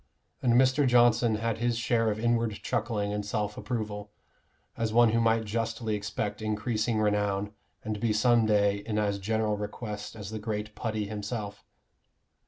And Mr. Johnson had his share of inward chuckling and self approval, as one who might justly expect increasing renown, and be some day in as general request as the great Putty himself.